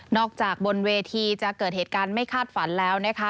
จากบนเวทีจะเกิดเหตุการณ์ไม่คาดฝันแล้วนะคะ